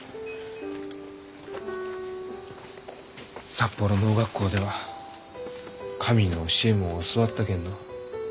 札幌農学校では神の教えも教わったけんど